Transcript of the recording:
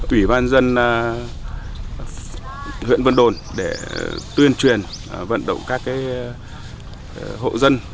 ủy ban dân huyện vân đồn để tuyên truyền vận động các hộ dân